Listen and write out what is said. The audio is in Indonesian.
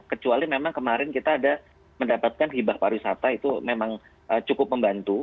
kecuali memang kemarin kita ada mendapatkan hibah pariwisata itu memang cukup membantu